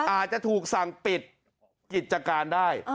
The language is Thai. อาจจะถูกสั่งปิดกิจการได้